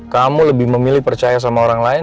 kamu lebih memilih percaya sama orang lain